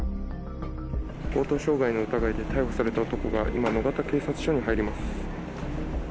強盗傷害の疑いで逮捕された男が、今、野方警察署に入ります。